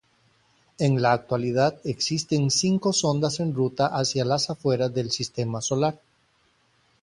En la actualidad existen cinco sondas en ruta hacia las afueras del sistema solar.